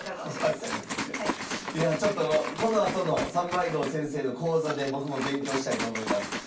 いやあちょっとこのあとの三枚堂先生の講座で僕も勉強したいと思います。